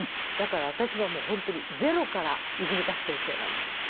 だから私は本当にゼロからいずみたく先生なんです。